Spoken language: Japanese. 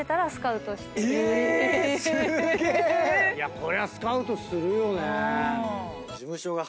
これはスカウトするよね。